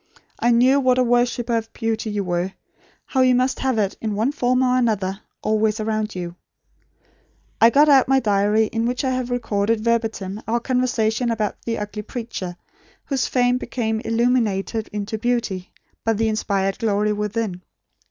I knew what a worshipper of beauty you were; how you must have it, in one form or another, always around you. I got out my diary in which I had recorded verbatim our conversation about the ugly preacher, whose face became illumined into beauty, by the inspired glory within.